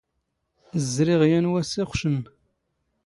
ⵣⵣⵔⵉⵖ ⵢⴰⵏ ⵡⴰⵙⵙ ⵉⵅⵛⵏⵏ.